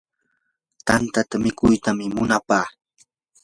tantata mikuytam munapaa.